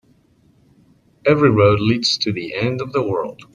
Every road leads to the end of the world.